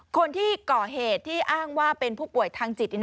คนที่ก่อเหตุที่อ้างว่าเป็นผู้ป่วยทางจิต